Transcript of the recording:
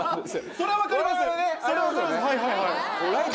それは分かります。